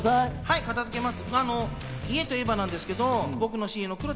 片付けます。